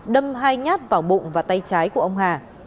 đâm hai nhát vào bụng và tay trái của ông hà